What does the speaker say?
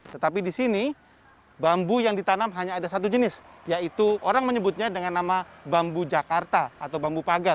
tetapi di sini bambu yang ditanam hanya ada satu jenis yaitu orang menyebutnya dengan nama bambu jakarta atau bambu pagar